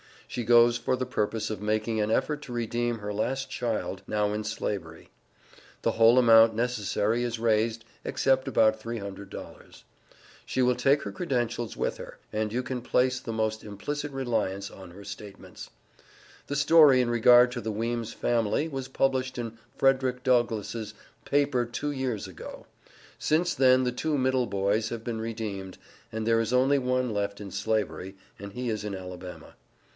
She goes for the purpose of making an effort to redeem her last child, now in Slavery. The whole amount necessary is raised, except about $300. She will take her credentials with her, and you can place the most implicit reliance on her statements. The story in regard to the Weems' family was published in Frederick Douglass' paper two years ago. Since then the two middle boys have been redeemed and there is only one left in Slavery, and he is in Alabama.